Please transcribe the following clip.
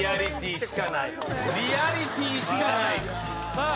さあ。